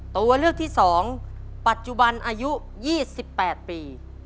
ตัวเลือกที่๒ปัจจุบันอายุ๒๘ปี